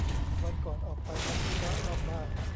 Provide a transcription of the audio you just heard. วันก่อนออกไปทำธุระนอกบ้าน